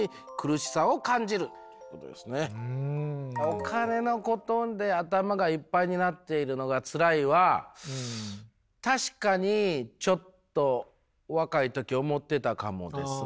「お金のことで頭がいっぱいになっているのがつらい」は確かにちょっと若い時思ってたかもですね。